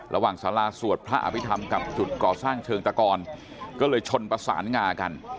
สาราสวดพระอภิษฐรรมกับจุดก่อสร้างเชิงตะกรก็เลยชนประสานงากัน